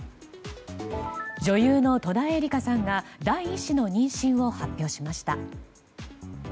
女優の戸田恵梨香さんが第１子の妊娠を発表しました。